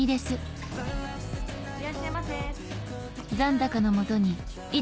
いらっしゃいませ。